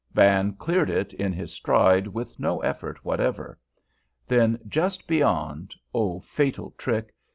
Van cleared it in his stride with no effort whatever. Then, just beyond, oh, fatal trick!